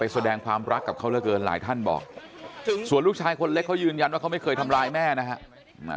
ส่วนลูกชายคนเล็กเขายืนยันว่าเขาไม่เคยทำร้ายแม่นะครับ